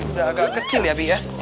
sudah agak kecil ya bi ya